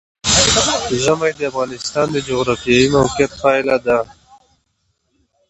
ژمی د افغانستان د جغرافیایي موقیعت پایله ده.